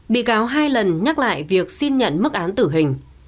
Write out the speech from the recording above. bị cáo hai lần nhắc lại việc xin nhận mức án tử hình